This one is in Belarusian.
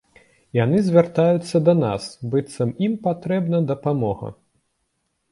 Яны звяртаюцца да нас, быццам ім патрэбная дапамога.